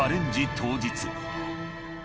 当日